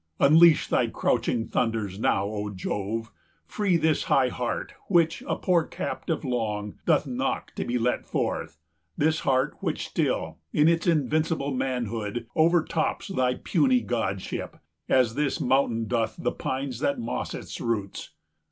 Unleash thy crouching thunders now, O Jove! Free this high heart, which, a poor captive long, 275 Doth knock to be let forth, this heart which still, In its invincible manhood, overtops Thy puny godship, as this mountain doth The pines that moss its roots.